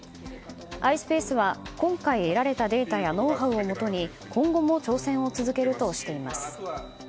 ｉｓｐａｃｅは今回得られたデータやノウハウをもとに今後も挑戦を続けるとしています。